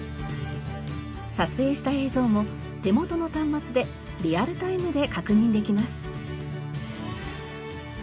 撮影した映像も手元の端末でリアルタイムで確認できます。